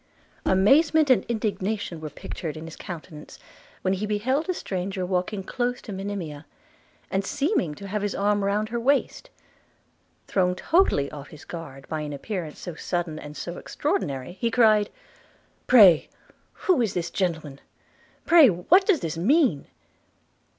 Amazement and indignation were pictured in his countenance when he beheld a stranger walking close to Monimia, and seeming to have his arm round her waist. Thrown totally off his guard by an appearance so sudden and so extraordinary, he cried, 'Pray, who is this gentleman? – Pray, what does this mean?'